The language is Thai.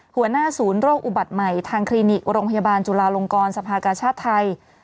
หัวหน้าศูนย์โรคอุบัติใหม่ทางคลินิกโรงพยาบาลจุลาลงกรสภากาชาติไทย